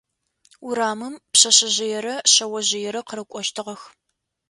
Урамым пшъэшъэжъыерэ шъэожъыерэ къырыкӀощтыгъэх.